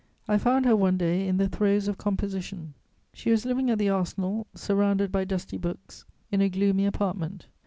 I found her one day in the throes of composition. She was living at the Arsenal, surrounded by dusty books, in a gloomy apartment.